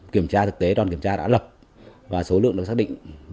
kiểm tra thực tế đoàn kiểm tra đã lập và số lượng được xác định